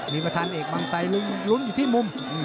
มีประธานเอกบางไซลุ้นอยู่ที่มุม